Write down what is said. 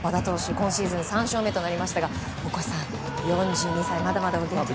今シーズン３勝目となりましたが大越さん４２歳、まだまだお元気です。